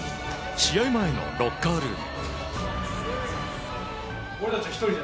試合前のロッカールーム。